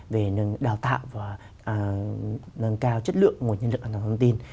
về đào tạo và nâng cao chất lượng nguồn nhân lực an toàn thông tin